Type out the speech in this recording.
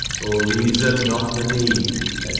<O reason not the need/ &c.